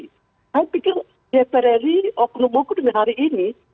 saya pikir dprd oknum buku dan hari ini